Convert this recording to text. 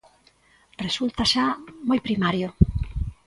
Resulta xa moi primario?